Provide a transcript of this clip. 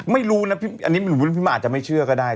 ไม่รู้นะอาจอาจจะไม่เชื่อก็ได้